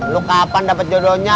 lu kapan dapet jodohnya